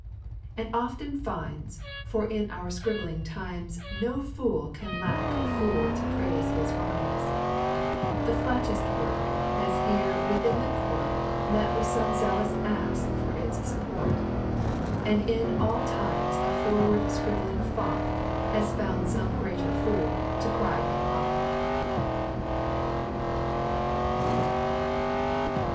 And often finds; for in our scribbling times No fool can lack a fool to praise his rhymes; The flattest work has here within the court Met with some zealous ass for its support; And in all times a forward scribbling fop Has found some greater fool to cry him up.